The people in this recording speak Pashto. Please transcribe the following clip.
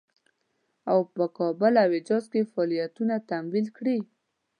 او په کابل او حجاز کې فعالیتونه تمویل کړي.